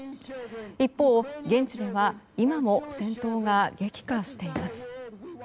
一方、現地では今も戦闘が激化しています。